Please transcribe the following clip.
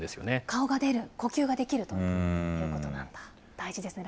顔が出る、呼吸ができるということなんだ。